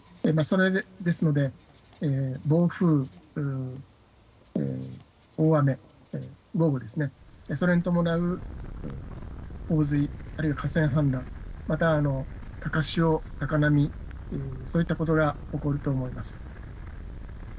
ですので、暴風、大雨、豪雨ですね、それに伴う洪水、あるいは河川氾濫、また高潮、高波、そういったことが起こると思います。